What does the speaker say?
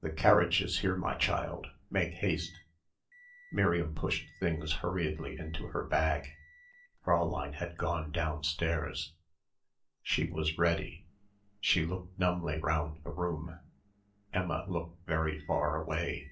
"The carriage is here, my child. Make haste." Miriam pushed things hurriedly into her bag. Fräulein had gone downstairs. She was ready. She looked numbly round the room. Emma looked very far away.